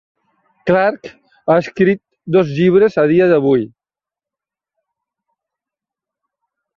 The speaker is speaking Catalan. Clarke ha escrit dos llibres a dia d'avui.